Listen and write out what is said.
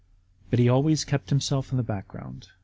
But he always kept himself in the background.